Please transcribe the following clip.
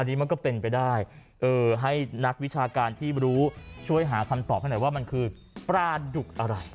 อันนี้มันก็เป็นไปได้เออให้นักวิชาการที่รู้ช่วยหาคำตอบให้หน่อยว่ามันคือปลาดุกอะไร